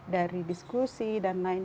dari diskusi dan lain